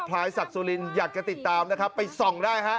ลายศักดิ์สุรินอยากจะติดตามนะครับไปส่องได้ฮะ